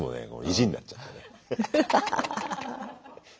意地になっちゃってね。